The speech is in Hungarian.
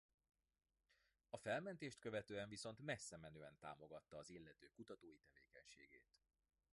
A felmentést követően viszont messzemenően támogatta az illető kutatói tevékenységét.